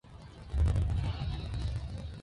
The Authority: Revolution.